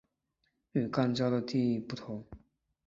与肛交的定义不同。